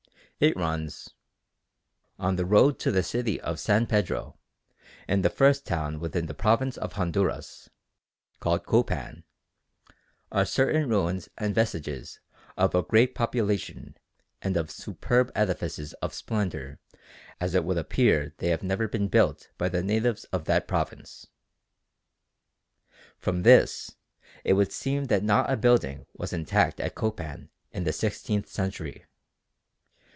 It runs: "On the road to the city of San Pedro, in the first town within the province of Honduras, called Copan, are certain ruins and vestiges of a great population and of superb edifices of splendour as it would appear they never could have been built by the natives of that province." From this it would seem that not a building was intact at Copan in the sixteenth century.